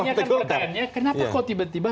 makanya kan pertanyaannya kenapa kok tiba tiba